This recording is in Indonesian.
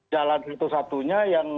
jalan satu satunya yang